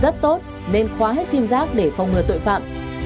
rất tốt nên khóa hết xim rác để phòng ngừa tội phạm